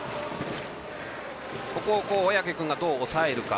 ここを小宅君が、どう抑えるか。